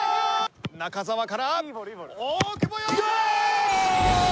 中澤から大久保！